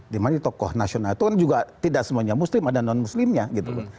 dimana tokoh nasional itu kan juga tidak semuanya muslim ada non muslimnya gitu kan